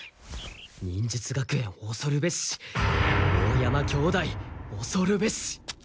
忍術学園おそるべし大山兄弟おそるべし。